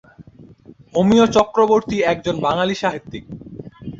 অমিয় চক্রবর্তী একজন বাঙালি সাহিত্যিক।